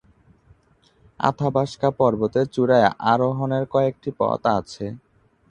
Athabasca পর্বতের চূড়ায় আরোহণের কয়েকটি পথ আছে।